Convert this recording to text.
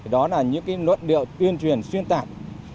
đó là những luận điệu tuyên truyền xuyên tạc